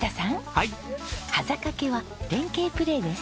はい！はざかけは連携プレーです。